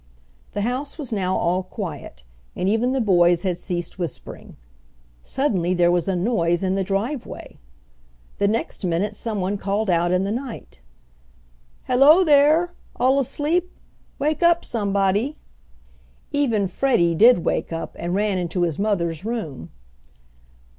The house was now all quiet, and even the boys had ceased whispering. Suddenly there was a noise in the driveway! The next minute someone called out in the night! "Hello there! All asleep! Wake up, somebody!" Even Freddie did wake up and ran into his mother's room.